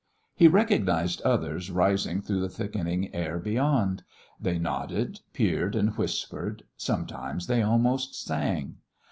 He recognised others rising through the thickening air beyond; they nodded, peered, and whispered; sometimes they almost sang.